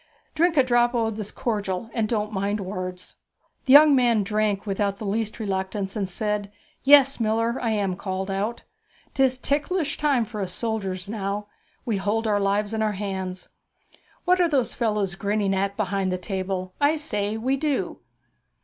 Drink a drap o' this cordial, and don't mind words.' The young man drank without the least reluctance, and said, 'Yes, miller, I am called out. 'Tis ticklish times for us soldiers now; we hold our lives in our hands What are those fellows grinning at behind the table? I say, we do!'